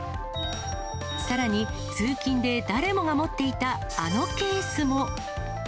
さらに、通勤で誰もが持っていたあのケースも。